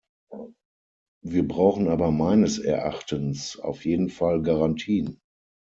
Wir brauchen aber meines Erachtens auf jeden Fall Garantien.